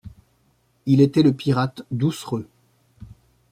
Il était le pirate doucereux.